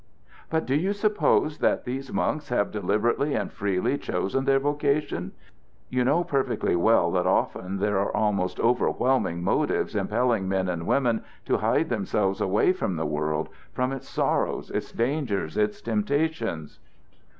"But do you suppose that these monks have deliberately and freely chosen their vocation? You know perfectly well that often there are almost overwhelming motives impelling men and women to hide themselves away from the world from, its sorrows, its dangers, its temptations."